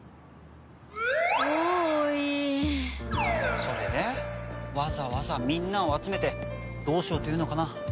それでわざわざみんなを集めてどうしようというのかな？